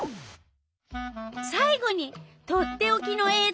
さい後にとっておきのえい